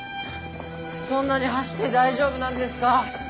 そんなに走って大丈夫なんですか？